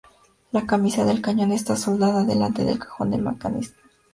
La camisa del cañón está soldada delante del cajón de mecanismos.